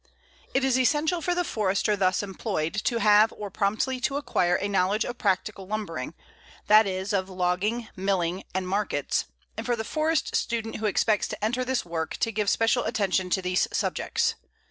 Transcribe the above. It is essential for the Forester thus employed to have or promptly to acquire a knowledge of practical lumbering, that is, of logging, milling, and markets, and for the forest student who expects to enter this work to give special attention to these subjects.